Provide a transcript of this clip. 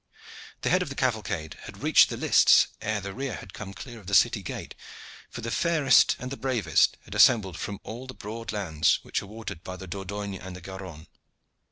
The head of the cavalcade had reached the lists ere the rear had come clear of the city gate, for the fairest and the bravest had assembled from all the broad lands which are watered by the Dordogne and the Garonne.